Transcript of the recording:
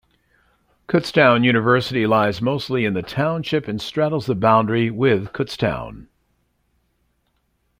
Kutztown University lies mostly in the township and straddles the boundary with Kutztown.